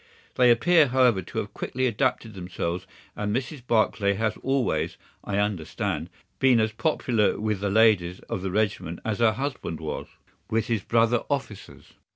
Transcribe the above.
They appear, however, to have quickly adapted themselves, and Mrs. Barclay has always, I understand, been as popular with the ladies of the regiment as her husband was with his brother officers.